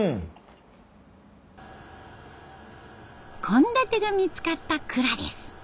献立が見つかった蔵です。